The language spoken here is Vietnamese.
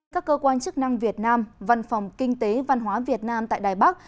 các cơ quan chức năng việt nam văn phòng kinh tế văn hóa việt nam tại đài bắc